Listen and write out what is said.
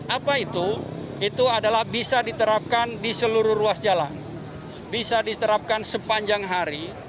apa itu itu adalah bisa diterapkan di seluruh ruas jalan bisa diterapkan sepanjang hari